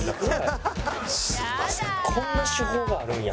こんな手法があるんや。